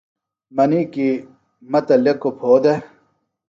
منی کی مہ تہ لیکوۡ پھو دےۡ